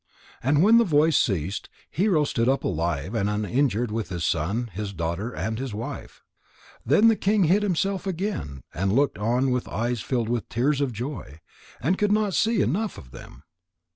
And when the voice ceased, Hero stood up alive and uninjured with his son and his daughter and his wife. Then the king hid himself again and looked on with eyes filled with tears of joy, and could not see enough of them.